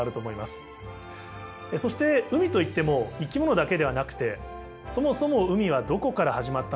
そして海といっても生き物だけではなくてそもそも海はどこから始まったのか。